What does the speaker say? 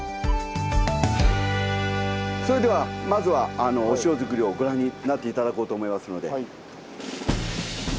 それではまずはお塩作りをご覧になって頂こうと思いますので。